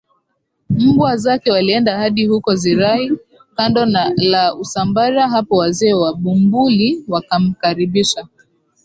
mbwa zakeWalienda hadi huko Zirai kando la Usambara Hapo wazee wa Bumbuli wakamkaribisha